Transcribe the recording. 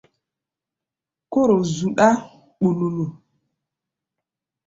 Kóro zuɗá ɓululu.